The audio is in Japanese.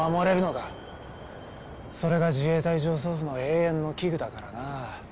それが自衛隊上層部の永遠の危惧だからなあ。